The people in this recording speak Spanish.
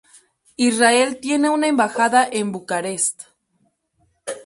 Israel tiene una embajada en Bucarest.